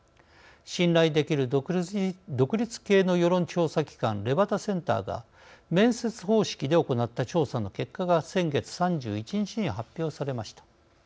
信頼できる独立系の世論調査機関レバタセンターが面接方式で行った調査の結果が先月３１日に発表されました。